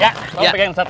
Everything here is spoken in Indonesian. ya mau pegang yang satu